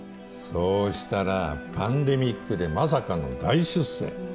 そうしたらパンデミックでまさかの大出世！